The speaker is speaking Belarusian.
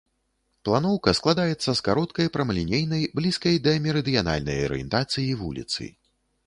Планоўка складаецца з кароткай прамалінейнай, блізкай да мерыдыянальнай арыентацыі вуліцы.